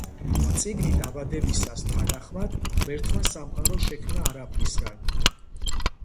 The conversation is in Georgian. წიგნი დაბადებისას თანახმად, ღმერთმა სამყარო შექმნა არაფრისგან.